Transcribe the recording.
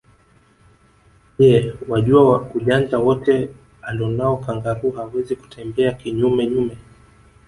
Je wajua ujanja wote alonao kangaroo hawezi kutembea kinyume nyume